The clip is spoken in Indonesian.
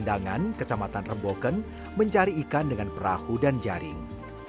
di desa sendangan kecamatan rembukan mencari ikan dengan perahu dan jaring